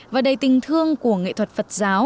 và đầy tình thương của nghệ thuật phật giáo